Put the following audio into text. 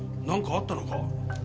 なんかあったのか？